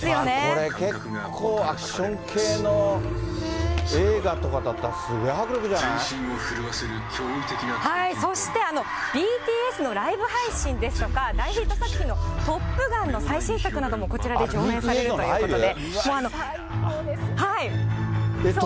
これ、結構アクション系の映画とかだったら、すごい迫力じゃそして、ＢＴＳのライブ配信ですとか、大ヒット作品のトップガンの最新作などもこちらで上映されるということで。